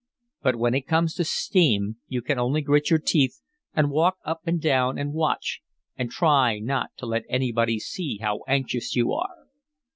But when it comes to steam you can only grit your teeth and walk up and down and watch and try not to let anybody see how anxious you are.